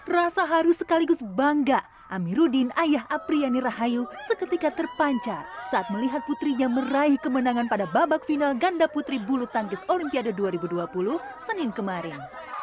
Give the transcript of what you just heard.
rasa harus sekaligus bangga amiruddin ayah apriyani rahayu seketika terpancar saat melihat putrinya meraih kemenangan pada babak final ganda putri bulu tangkis olimpiade dua ribu dua puluh senin kemarin